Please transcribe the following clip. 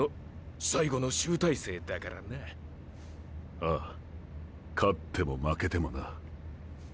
ああ勝っても負けてもな。